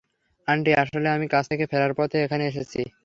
Aunty, আসলে আমি কাজ থেকে ফেরার পথে এখানে এসেছি।